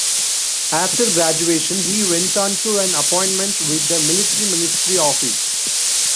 After graduation, he went on to an appointment with the Military Ministry Office.